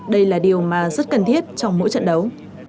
đây là điều mà rất cần thiết trong mỗi trận đấu